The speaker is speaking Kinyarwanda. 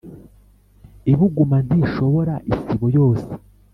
Ibuguma ntishobora isibo yose